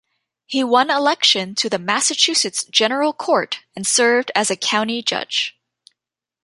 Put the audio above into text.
He won election to the Massachusetts General Court and served as a county judge.